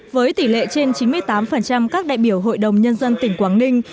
với tỷ lệ trên chín mươi tám các đại biểu hội đồng nhân dân tỉnh quảng ninh